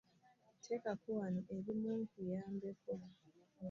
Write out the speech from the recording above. Teekako wano ebimu nkuyambeko.